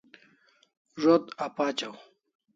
Zo't apachaw